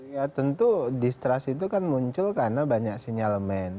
ya tentu distrasi itu kan muncul karena banyak sinyal men